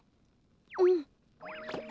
うん。